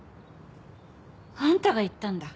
あんたが言ったんだ